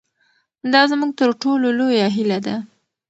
دا زموږ تر ټولو لویه هیله ده.